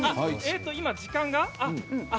今、時間が？